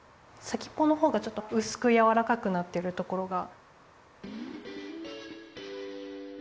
先っぽのほうがちょっとうすくやわらかくなってるところが。